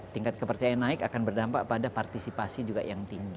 tingkat kepercayaan naik akan berdampak pada partisipasi juga yang tinggi